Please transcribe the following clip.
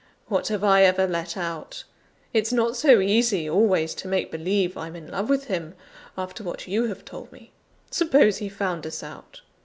What have I ever let out? It's not so easy always to make believe I'm in love with him, after what you have told me. Suppose he found us out?